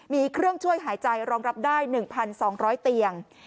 มีเครื่องช่วยหายใจรองรับได้๑๒๐๐เตียง